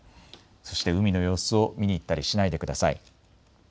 そして海の様子を見に行ったりしないでください。